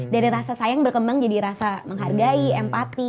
dari rasa sayang berkembang jadi rasa menghargai empati